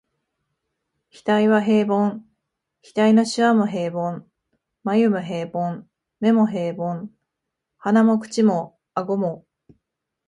額は平凡、額の皺も平凡、眉も平凡、眼も平凡、鼻も口も顎も、